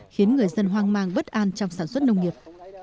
khiến người dân hoang mang bất an trong sản xuất nông nghiệp